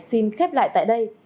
xin khép lại tại đây